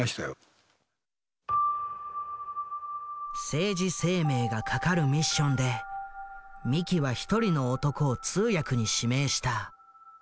政治生命が懸かるミッションで三木は１人の男を通訳に指名した。